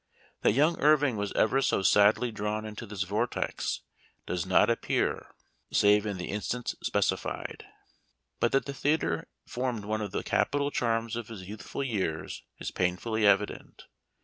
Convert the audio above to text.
That young Irving was ever so sadly drawn into this vortex does not appear, save in the instance specified. But that the theater formed one of the capital charms of his youth ful vears is painfully evident.